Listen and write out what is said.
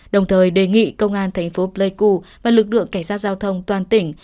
đồng thời đề nghị công an thành phố pleiku và lực lượng cảnh sát giao thông toàn tỉnh